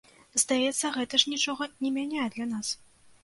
Здаецца, гэта ж нічога не мяняе для нас.